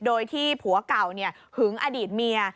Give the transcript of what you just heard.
โดยที่ผัวเก่าหึงอดีตเมีย